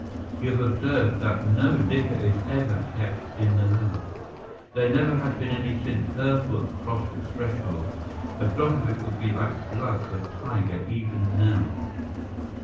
You have observed that no liquor is ever kept in the house. There never has been any since her foot crossed its threshold. A drop of it would be like blood to a tiger even now."